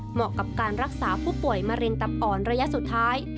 เหมาะกับการรักษาผู้ป่วยมะเร็งตับอ่อนระยะสุดท้าย